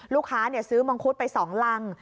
ลูกค้าซื้อมังคุดไปสองลัง